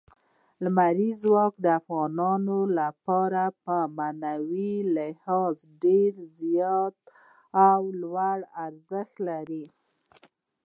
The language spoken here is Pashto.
لمریز ځواک د افغانانو لپاره په معنوي لحاظ ډېر زیات او لوی ارزښت لري.